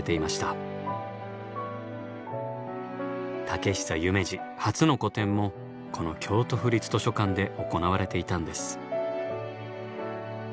竹久夢二初の個展もこの京都府立図書館で行われていたんです。